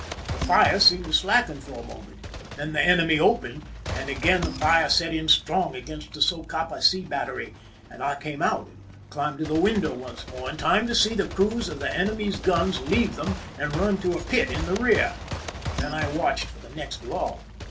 The fire seemed to slacken for a moment ; then the enemy opened, and again the fire set in strong against the Socapa sea battery, and I came out, and climbed to the window once more, in time to see the crews of the enemy's guns leave them and run to a pit in the rear. Then I watched for the next lull.